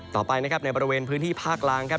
ต่อไปนะครับในบริเวณพื้นที่ภาคล่างครับ